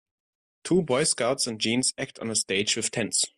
Two boy scouts in jeans act on a stage with tents.